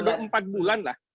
dalam periode empat bulan lah